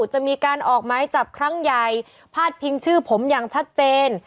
จะมีการออกไม้จับครั้งใหญ่พาดพิงชื่อผมอย่างชัดเจน